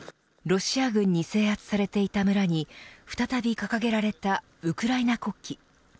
ロシア軍に制圧されていた村に再び掲げられたウクライナ国旗。